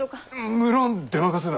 無論出任せだ。